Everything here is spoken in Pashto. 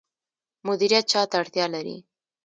مدیریت چا ته اړتیا لري؟